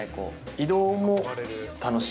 移動も楽しい。